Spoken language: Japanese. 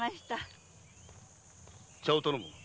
茶を頼む。